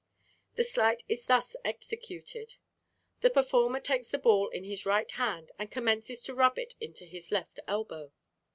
The sleight is thus executed: The performer takes the ball in his right hand and commences to rub it into his left elbow.